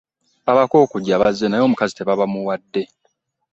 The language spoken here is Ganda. Abako okujja bazze naye omukazi tebaamubawadde.